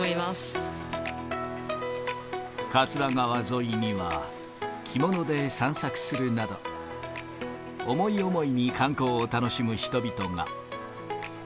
桂川沿いには、着物で散策するなど、思い思いに観光を楽しむ人々が。